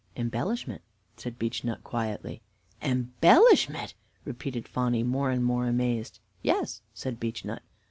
"Embellishment," said Beechnut quietly. "Embellishment!" repeated Phonny, more and more amazed. "Yes," said Beechnut.